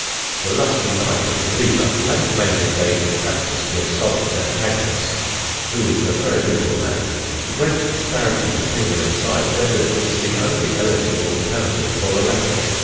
The lusty Knight of the Cleaver having made it a practice to insult his antagonist, who is a very little man, the great disparity between them in size rendered this the only eligible alternative for the latter.